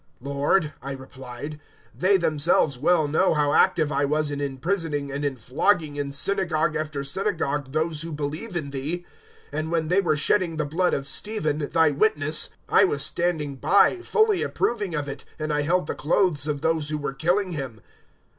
022:019 "`Lord,' I replied, `they themselves well know how active I was in imprisoning, and in flogging in synagogue after synagogue those who believe in Thee; 022:020 and when they were shedding the blood of Stephen, Thy witness, I was standing by, fully approving of it, and I held the clothes of those who were killing him.'